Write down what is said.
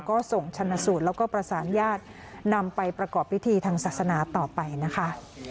ก็ส่งชนสูตรแล้วก็ประสานญาตินำไปประกอบพิธีทางศาสนาต่อไปนะคะ